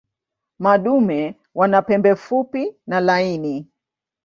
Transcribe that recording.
Madume wana pembe fupi na laini.